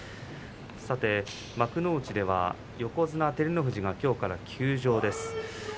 さて幕内では横綱照ノ富士がきょうから休場です。